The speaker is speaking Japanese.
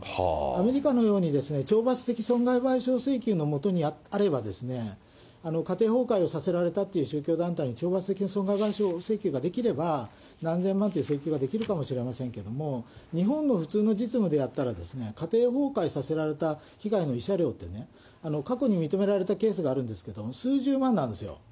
アメリカのように、懲罰的損害賠償請求のもとにあれば、家庭崩壊をさせられたという宗教団体に懲罰的な損害賠償請求ができれば、何千万という請求ができるかもしれませんけれども、日本の普通の実務でやったら、家庭崩壊させられた被害の慰謝料ってね、過去に認められたケースがあるんですけれども、数十万なんですよ。